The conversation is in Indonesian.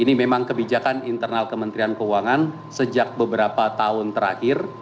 ini memang kebijakan internal kementerian keuangan sejak beberapa tahun terakhir